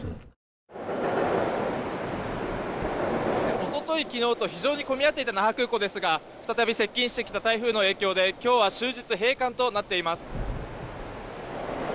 おととい、昨日と非常に混み合っていた那覇空港ですが再び接近してきた台風の影響で今日は終日閉館となっています。